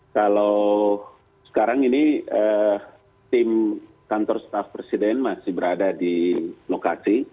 kalau sekarang ini tim kantor staff presiden masih berada di lokasi